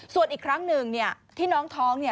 ส่วนอีกครั้งหนึ่งที่น้องท้อง